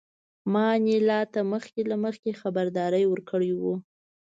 ما انیلا ته مخکې له مخکې خبرداری ورکړی و